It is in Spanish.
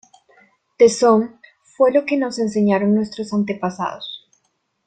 Tesón fue lo que nos enseñaron nuestros antepasados